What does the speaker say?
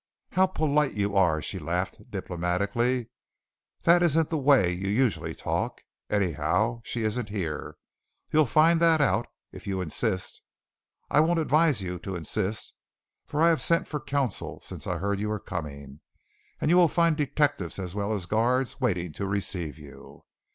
"How polite you are!" she laughed diplomatically. "That isn't the way you usually talk. Anyhow, she isn't here. You'll find that out, if you insist. I wouldn't advise you to insist, for I've sent for counsel since I heard you were coming, and you will find detectives as well as guards waiting to receive you.